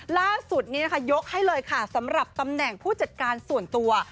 ล่าสุดนี้นะคะยกให้เลยค่ะสำหรับตำแหน่งผู้จัดการส่วนตัว